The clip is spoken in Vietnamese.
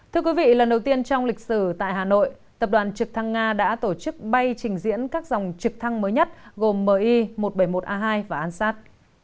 thưa quý vị lần đầu tiên trong lịch sử tại hà nội tập đoàn trực thăng nga đã tổ chức bay trình diễn các dòng trực thăng mới nhất gồm mi một trăm bảy mươi một a hai và an sát